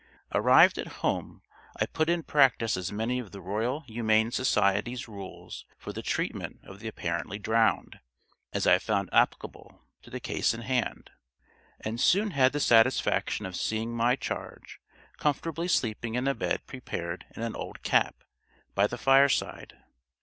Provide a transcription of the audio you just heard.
Arrived at home, I put in practice as many of the Royal Humane Society's rules for the treatment of the apparently drowned, as I found applicable to the case in hand, and soon had the satisfaction of seeing my charge, comfortably sleeping in a bed prepared in an old cap, by the fireside.